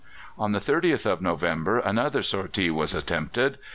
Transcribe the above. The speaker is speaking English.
On the 30th of November another sortie was attempted.